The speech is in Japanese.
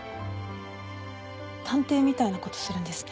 探偵みたいな事するんですね。